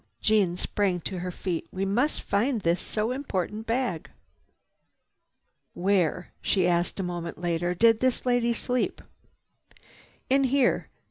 Jeanne sprang to her feet. "We must find this so important bag. "Where," she asked a moment later, "did this lady sleep?" "In here."